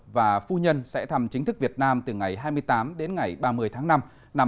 và phu nhân sẽ thăm chính thức việt nam từ ngày hai mươi tám đến ngày ba mươi tháng năm năm hai nghìn một mươi chín